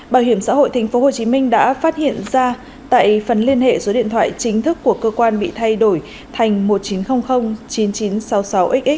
bảo hiểm xã hội tp hcm đã phát hiện ra tại phần liên hệ số điện thoại chính thức của cơ quan bị thay đổi thành một chín không không chín chín sáu sáu xx